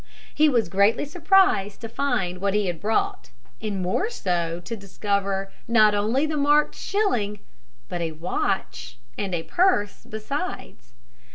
He was greatly surprised to find what he had brought, and more so to discover not only the marked shilling, but a watch and purse besides.